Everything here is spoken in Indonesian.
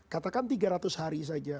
katakan tiga ratus hari saja